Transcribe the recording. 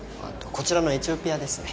こちらのエチオピアですね